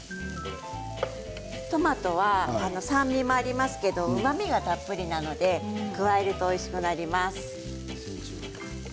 トマトは酸味がありますけどうまみがたっぷりなので加えるとおいしくなります。